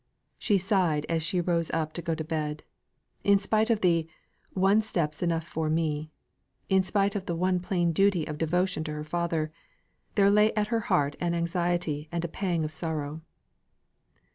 She sighed as she rose up to go to bed. In spite of the "One step's enough for me," in spite of the one plain duty of devotion to her father, there lay at her heart an anxiety and a pang of sorrow.